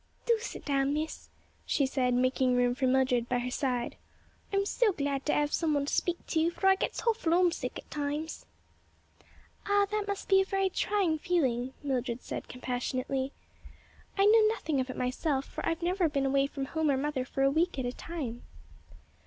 "Do sit down, Miss," she said, making room for Mildred by her side, "I'm so glad to 'ave some one to speak to, for I gets hawful 'omesick at times." "Ah, that must be a very trying feeling," Mildred said compassionately. "I know nothing of it myself; for I've never been away from home or mother for a week at a time."